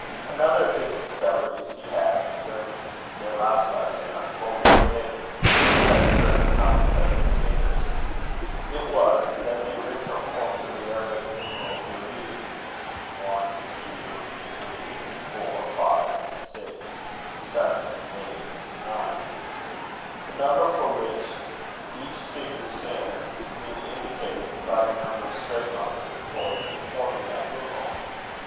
Another of his discoveries he had, during their last lesson, unfolded to David, who had certainly contemplated it with interest. It was, that the original forms of the Arabic numerals were these: 1.2.3.4.5.6.7.8.9. {original text has a picture} the number for which each figure stands being indicated by the number of straight lines employed in forming that numeral.